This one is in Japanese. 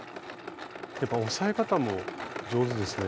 やっぱ押さえ方も上手ですね。